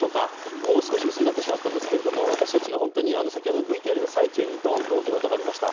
もう少し薄くなってしまったんですけれども先ほどＶＴＲのさなかに、ドーンと大きな音がありました